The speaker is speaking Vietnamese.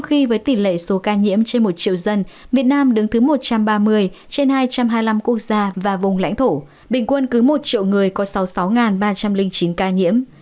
trong khi với tỷ lệ số ca nhiễm trên một triệu dân việt nam đứng thứ một trăm ba mươi trên hai trăm hai mươi năm quốc gia và vùng lãnh thổ bình quân cứ một triệu người có sáu mươi sáu ba trăm linh chín ca nhiễm